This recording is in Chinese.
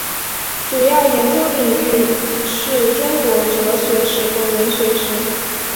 主要研究领域是中国哲学史和文学史。